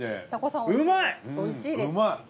うまい！